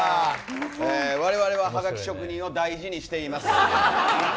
我々ははがき職人を大事にしています。